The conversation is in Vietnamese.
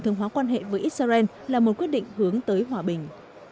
thường hóa quan hệ với israel là một quyết định hướng tới hòa bình